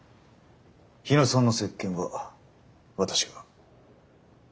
日野さんの接見は私が。